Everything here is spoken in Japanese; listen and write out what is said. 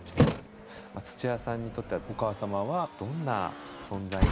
つちやさんにとってはお母様はどんな存在なのか。